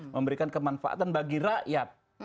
memberikan kemanfaatan bagi rakyat